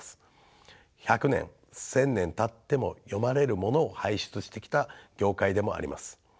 百年千年たっても読まれるものを輩出してきた業界でもあります。